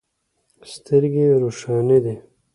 سترګې روښانې دي.